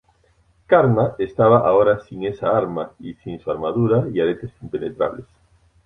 Karna estaba ahora sin esa arma y sin su armadura y aretes impenetrables.